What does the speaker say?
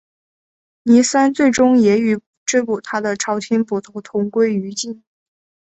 倪三最终也与追捕他的朝廷捕头同归于尽。